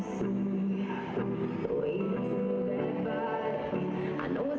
สวัสดีครับ